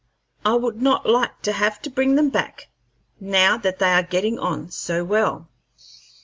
I would not like to have to bring them back, now that they are getting on so well."